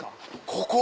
ここ？